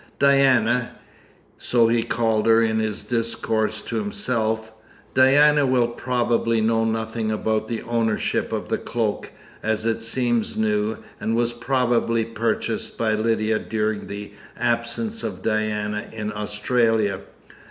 Diana," so he called her in his discourse to himself, "Diana will probably know nothing about the ownership of the cloak, as it seems new, and was probably purchased by Lydia during the absence of Diana in Australia.